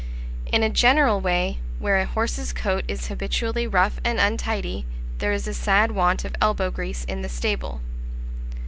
In a general way, where a horse's coat is habitually rough and untidy, there is a sad want of elbow grease in the stable.